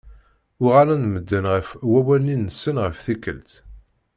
Uɣalen medden ɣer wawal-nni-nsen ɣef tikelt.